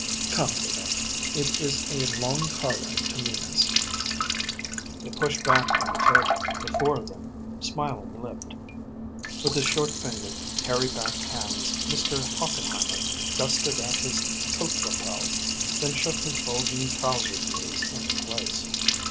"Come, Adolph; it is a long car ride to Meena's." They pushed back from the table, the four of them, smiling lipped. With his short fingered, hairy backed hands Mr. Hochenheimer dusted at his coat lapels, then shook his bulging trousers knees into place.